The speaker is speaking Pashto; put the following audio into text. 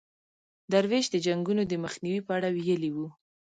درویش د جنګونو د مخنیوي په اړه ویلي وو.